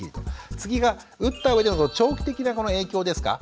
次が打ったうえでの長期的な影響ですか。